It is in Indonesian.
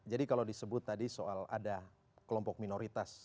jadi kalau disebut tadi soal ada kelompok minoritas